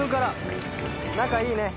仲いいね。